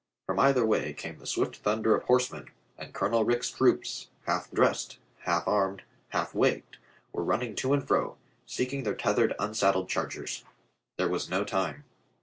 From either way came the swift thunder of horsemen, and Colonel Rich's troopers, half dressed, half armed, half waked, were running to and fro, seeking their teth ered unsaddled chargers. There was no time.